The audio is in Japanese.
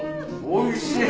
おいしい！